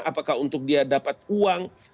apakah untuk dia dapat uang